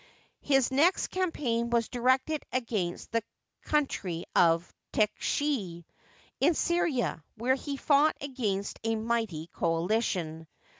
His next campaign was directed against the country of Techsi, in Syria, where he fought against a mighty coalition.